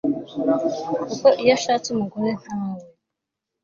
kuko iyo ashatse umugore ntawe